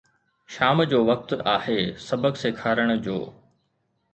شام جو وقت آهي سبق سيکارڻ جو